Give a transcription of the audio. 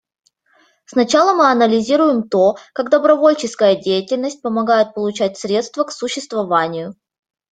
Сначала мы анализируем то, как добровольческая деятельность помогает получать средства к существованию.